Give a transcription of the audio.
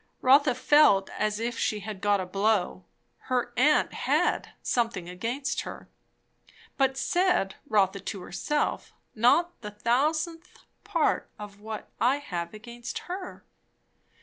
Rotha felt as if she had got a blow. Her aunt had "something against her." But, said Rotha to herself, not the thousandth part of what I have against her.